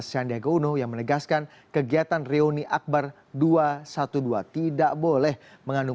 sandiaga uno yang menegaskan kegiatan reuni akbar dua ratus dua belas tidak boleh mengandung